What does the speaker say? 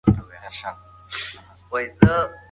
د ښوونځي تر څنګ د حرفوي زده کړو مرکزونه هم ډېر ګټور دي.